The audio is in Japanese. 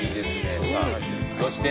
そして。